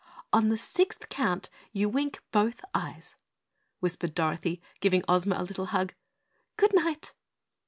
"On the sixth count, you wink both eyes," whispered Dorothy, giving Ozma a little hug. "Good night!"